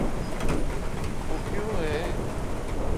تو کیوں ہے؟